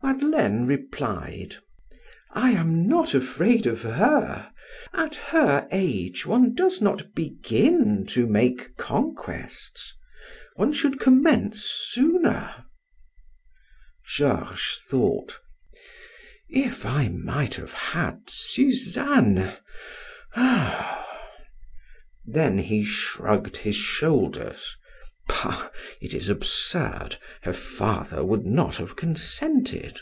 Madeleine replied: "I am not afraid of her. At her age one does not begin to make conquests one should commence sooner." Georges thought: "If I might have had Suzanne, ah!" Then he shrugged his shoulders: "Bah, it is absurd; her father would not have consented."